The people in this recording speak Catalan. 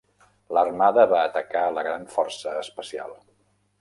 L'Armada va atacar la gran força especial.